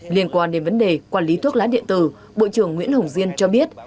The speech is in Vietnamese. liên quan đến vấn đề quản lý thuốc lá điện tử bộ trưởng nguyễn hồng diên cho biết